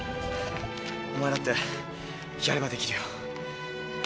お前だってやればできるよ！